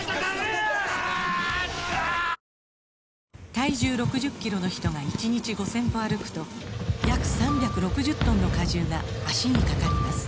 体重６０キロの人が１日５０００歩歩くと約３６０トンの荷重が脚にかかります